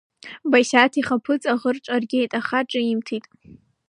Басиаҭ ихаԥыц аӷырҿ ааргеит, аха ҿимҭит.